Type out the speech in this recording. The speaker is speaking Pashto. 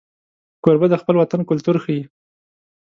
کوربه د خپل وطن کلتور ښيي.